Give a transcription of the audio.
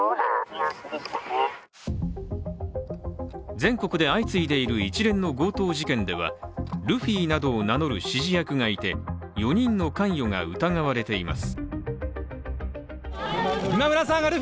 全国で相次いでいる一連の強盗事件ではルフィなどを名乗る指示役がいて４人の関与が疑われています。